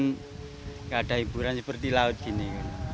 tidak ada hiburan seperti laut gini